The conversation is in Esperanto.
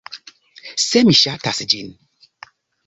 Se mi ŝatas ĝin